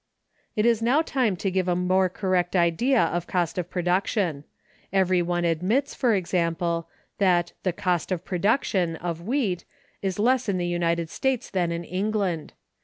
It is now time to give a more correct idea of cost of production. Every one admits, for example, that the "cost of production" of wheat is less in the United States than in England.